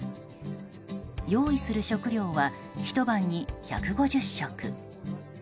用意する食料はひと晩に１５０食。